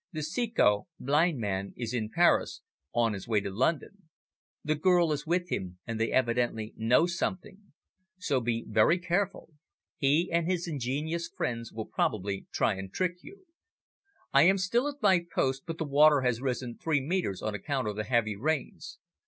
The Ceco (blind man) is in Paris, on his way to London. The girl is with him, and they evidently know something. So be very careful. He and his ingenious friends will probably try and trick you. "I am still at my post, but the water has risen three metres on account of the heavy rains.